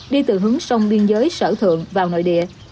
đi từ hướng sông biên giới sở thượng vào nội địa